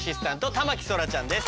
田牧そらちゃんです。